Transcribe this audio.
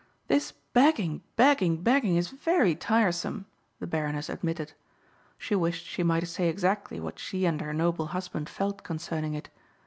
"This begging, begging, begging is very tiresome," the Baroness admitted. She wished she might say exactly what she and her noble husband felt concerning it.